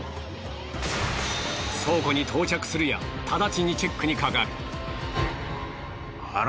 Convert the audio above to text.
倉庫に到着するや直ちにチェックにかかる。